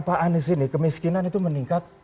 pak anies ini kemiskinan itu meningkat